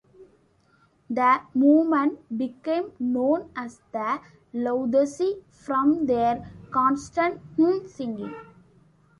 The movement became known as the "laudesi" from their constant hymn singing.